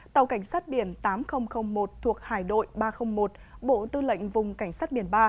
tàu cảnh sát biển tám nghìn một thuộc hải đội ba trăm linh một bộ tư lệnh vùng cảnh sát biển ba